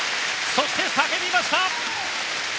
そして、叫びました！